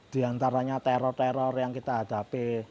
di antaranya teror teror yang kita hadapi